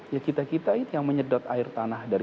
ya kita kita itu yang menyedot air tanah dari